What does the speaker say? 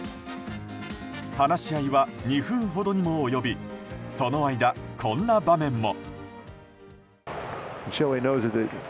話し合いは２分ほどにも及びその間、こんな場面も。